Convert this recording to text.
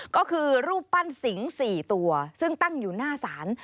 ก็คือรูปปั้นสิงห์๔ตัวซึ่งตั้งอยู่หน้าศาล